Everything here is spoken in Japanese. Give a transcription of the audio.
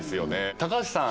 高橋さん